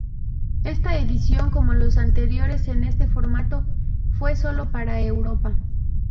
Esta edición, como los anteriores en este formato, fue solo para Europa.